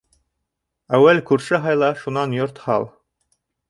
Әүәл күрше һайла, шунан йорт һал.